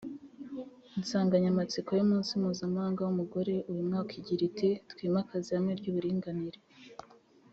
Insanganyamatsiko y’umunsi mpuzamahanga w’umugore uyu mwaka igira iti “Twimakaze ihame ry’Uburinganire